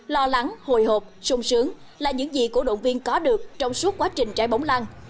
lo lắng hồi hộp sung sướng là những gì cổ động viên có được trong suốt quá trình trái bóng lan